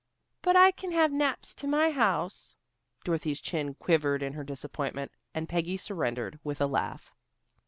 "But I can have naps to my house." Dorothy's chin quivered in her disappointment, and Peggy surrendered with a laugh.